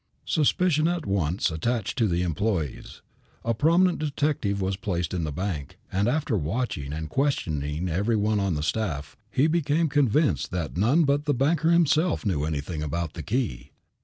Suspicion at once attached to the employees. A prominent detective was placed in the bank, and, after watching and questioning every one on the staff, he became convinced that none but the banker himself knew anything about the key.